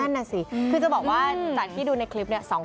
นั่นน่ะสิคือจะบอกว่าจากที่ดูในคลิปเนี่ย